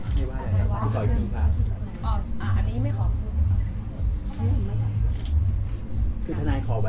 ตรงโรงเขาเป็นเครื่องขายอย่างไร